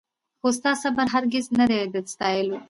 خو ستا صبر هرګز نه دی د ستایلو